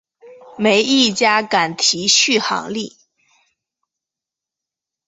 没一家敢提续航力